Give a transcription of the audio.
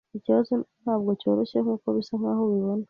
Ikibazo ntabwo cyoroshye nkuko bisa nkaho ubibona.